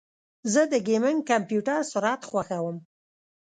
زه د ګیمنګ کمپیوټر سرعت خوښوم.